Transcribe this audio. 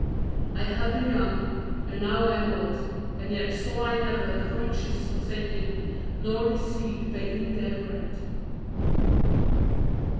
'" "I HAVE BEEN YOUNG, AND NOW AM OLD; AND YET SAW I NEVER THE RIGHTEOUS FORSAKEN, NOR HIS SEED BEGGING THEIR BREAD."